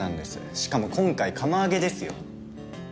しかも今回釜揚げですよ？